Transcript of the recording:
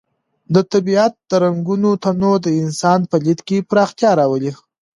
د طبیعت د رنګونو تنوع د انسان په لید کې پراختیا راولي.